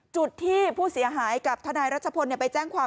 จุดที่ผู้เสียหายกับทนายรัชพลไปแจ้งความ